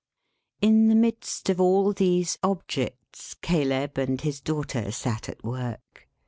In the midst of all these objects, Caleb and his daughter sat at work.